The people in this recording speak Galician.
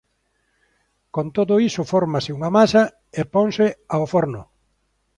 Con todo iso fórmase unha masa e ponse ao forno.